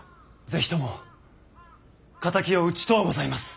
是非とも敵を討ちとうございます。